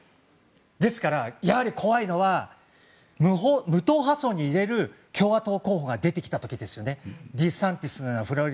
ですから、やはり怖いのは無党派層が入れる共和党候補が出てきた時ですよね。